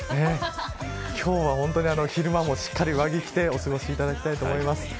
今日はほんとに昼間もしっかり上着を着てお過ごしいただきたいと思います。